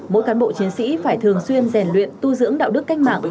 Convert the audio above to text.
mỗi cán bộ chiến sĩ phải thường xuyên rèn luyện tu dưỡng đạo đức cách mạng